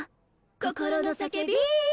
「心の叫び」